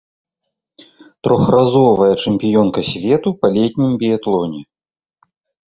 Трохразовая чэмпіёнка свету па летнім біятлоне.